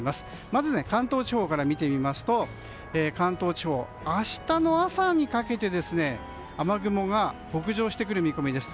まず、関東地方から見てみますと関東地方、明日の朝にかけて雨雲が北上してくる見込みです。